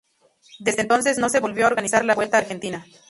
Desde entonces, no se volvió a organizar la Vuelta a Argentina.